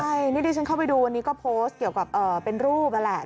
ใช่นี่ดิฉันเข้าไปดูวันนี้ก็โพสต์เกี่ยวกับเป็นรูปนั่นแหละ